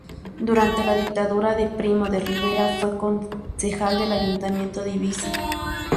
Durante la dictadura de Primo de Rivera fue concejal del ayuntamiento de Ibiza.